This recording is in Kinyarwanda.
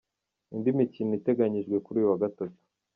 Indi mikino itaganyijwe kuri uyu wa Gatatu.